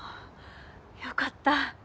よかった。